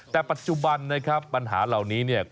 แต่ปัจจุบันนะครับปัญหาเหล่านี้เนี่ย